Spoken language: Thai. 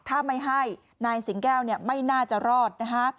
ถ้าไม่ให้นายสิงแก้วไม่น่าจะรอดนะคะ